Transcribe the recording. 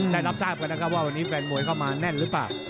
ได้รับทราบกันนะครับว่าวันนี้แฟนมวยเข้ามาแน่นหรือเปล่า